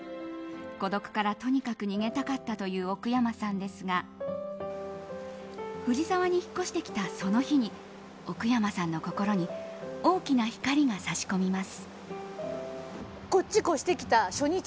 孤独からとにかく逃げたかったという奥山さんですが藤沢に引っ越してきたその日に奥山さんの心に大きな光が差し込みます。